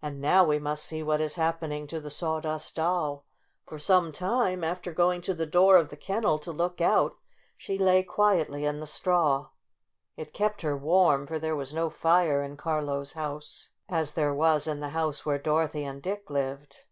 And now we must see what is happen ing to the Sawdust Doll. For some time, after going to the door of the kennel to look out, she lay quietly in the straw. It kept her warm, for there was no fire in Carlo's house, as there was in the house where Dorothy and Dick lived.